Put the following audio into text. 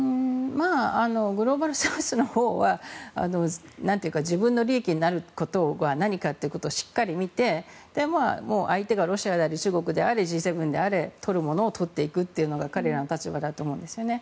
グローバルサウスのほうは自分の利益になることは何かということをしっかり見て相手がロシアであれ中国であれＧ７であれ取るものを取っていくというのが彼らの立場だと思うんですよね。